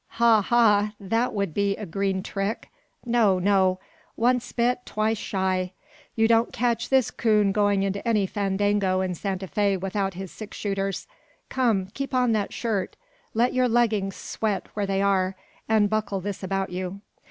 "Ha! ha! that would be a green trick. No, no. Once bit, twice shy. You don't catch this 'coon going into any fandango in Santa Fe without his six shooters. Come, keep on that shirt; let your leggings sweat where they are, and buckle this about you.